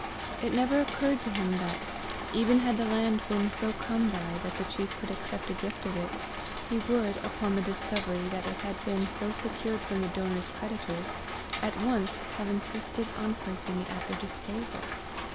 It never occurred to him that, even had the land been so come by that the chief could accept a gift of it, he would, upon the discovery that it had been so secured from the donor's creditors, at once have insisted on placing it at their disposal.